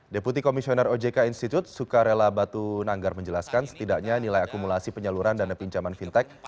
deputi komisioner ojk institut sukarela batu nanggar menjelaskan setidaknya nilai akumulasi penyaluran dana pinjaman fintech